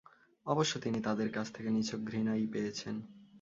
অবশ্য তিনি তাঁদের কাছ থেকে নিছক ঘৃণাই পেয়েছেন।